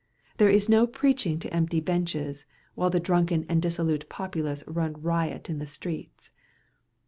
There is no preaching to empty benches, while the drunken and dissolute populace run riot in the streets.